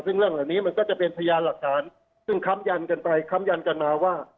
ซึ่งเรื่องเหล่านี้มันก็จะเป็นพยานหลักฐานซึ่งค้ำยันกันไปค้ำยันกันมาว่า